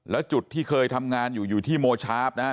แล้วจุดที่เคยทำงานอยู่อยู่ที่โมชาร์ฟนะครับ